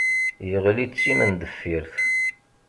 Yeɣli d timendeffirt.